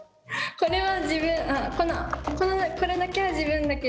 これは自分。